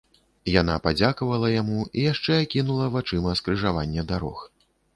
Яна падзякавала яму і яшчэ акінула вачыма скрыжаванне дарог.